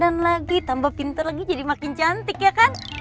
lagi tambah pinter lagi jadi makin cantik ya kan